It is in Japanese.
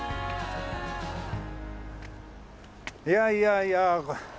いやいやいや。